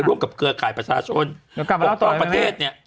ช่วงกับเกลือก่ายประสาทชนบกประเทศเนี่ย